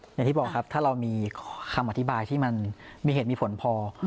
อย่างที่บอกครับถ้าเรามีคำอธิบายที่มันมีเหตุมีผลพอ